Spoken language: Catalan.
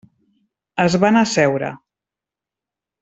Es van asseure.